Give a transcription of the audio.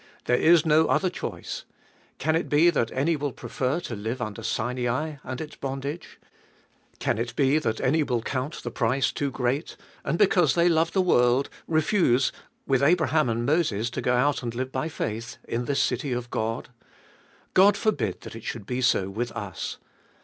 There is no other choice — can it be that any will prefer to live under Sinai and its bondage ? Can it be that any will count the price too great, and, because they love the world, refuse, with Abraham and Moses, to go out and live by faith, in this city of God. God forbid that it should be so with us.